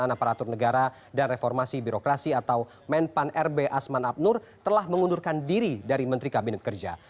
aparatur negara dan reformasi birokrasi atau menpan rb asman abnur telah mengundurkan diri dari menteri kabinet kerja